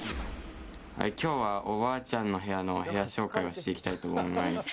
きょうはおばあちゃんの部屋のお部屋紹介をしていきたいと思います。